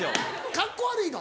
カッコ悪いの？